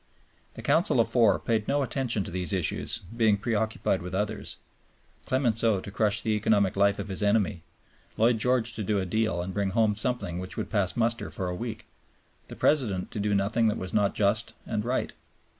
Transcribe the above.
The Council of Four paid no attention to these issues, being preoccupied with others, Clemenceau to crush the economic life of his enemy, Lloyd George to do a deal and bring home something which would pass muster for a week, the President to do nothing that was not just and right.